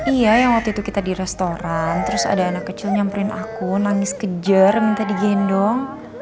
iya yang waktu itu kita di restoran terus ada anak kecil nyamperin aku nangis kejar minta digendong